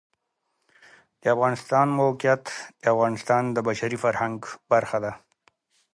د افغانستان د موقعیت د افغانستان د بشري فرهنګ برخه ده.